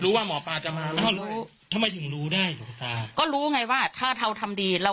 รู้ว่าหมอปลาจะมาทำไมถึงรู้ได้ก็รู้ไงว่าถ้าเขาทำดีเรา